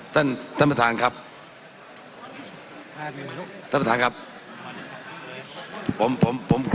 ครับท่านประธานครับเดี๋ยวครับเช้าที่เตรียมการให้พร้อมนะครับ